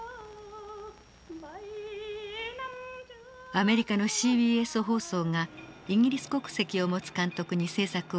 アメリカのＣＢＳ放送がイギリス国籍を持つ監督に制作を依頼。